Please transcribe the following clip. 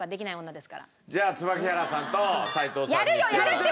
じゃあ椿原さんと齋藤さん。